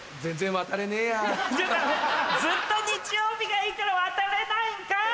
ずっと日曜日がいいから渡れないんかい！